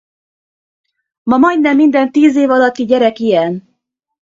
Ma majdnem minden tíz év alatti gyerek ilyen.